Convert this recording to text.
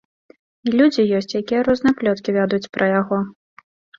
І людзі ёсць, якія розныя плёткі вядуць пра яго.